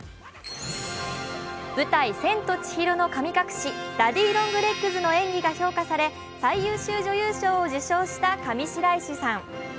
舞台「千と千尋の神隠し」、「ダディ・ロング・レッグズ」の演技が評価され最優秀女優賞を受賞した上白石さん。